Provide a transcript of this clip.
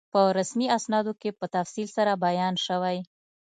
په رسمي اسنادو کې په تفصیل سره بیان شوی.